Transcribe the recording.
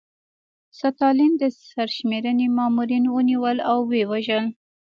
ستالین د سرشمېرنې مامورین ونیول او ووژل.